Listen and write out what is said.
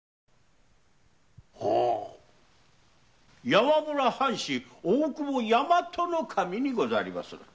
山浦藩主・大久保大和守殿にござりまする。